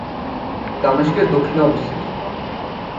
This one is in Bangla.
দামেস্কের দক্ষিণে অবস্থিত।